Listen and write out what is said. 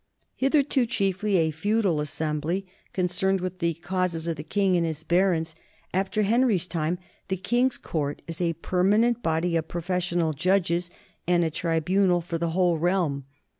Hitherto chiefly a feudal assembly concerned with the causes of the king and his barons, after Henry's time the king's court is a permanent body of profes sional judges and a tribunal for the whole realm.